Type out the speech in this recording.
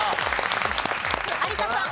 有田さん。